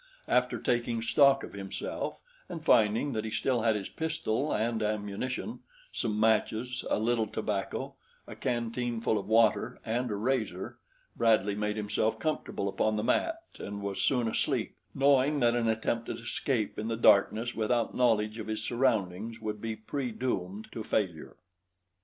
After taking stock of himself and finding that he still had his pistol and ammunition, some matches, a little tobacco, a canteen full of water and a razor, Bradley made himself comfortable upon the mat and was soon asleep, knowing that an attempted escape in the darkness without knowledge of his surroundings would be predoomed to failure.